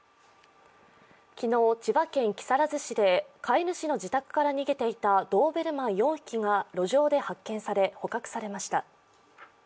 昨日、千葉県木更津市で飼い主の自宅から逃げていたドーベルマン４匹が路上で発見され捕獲されました。